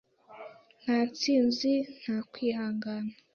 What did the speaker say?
Nta ntsinzi nta kwihangana.